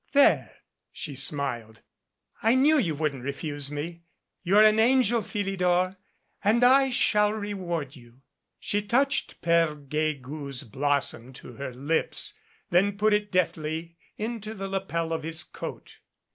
"There !" she smiled. "I knew you wouldn't refuse me. You're an angel, Philidor, and I shall reward you." She touched Pere Guegou's blossom to her lips, then put it deftly into the lapel of his coat.